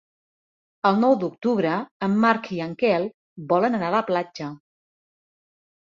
El nou d'octubre en Marc i en Quel volen anar a la platja.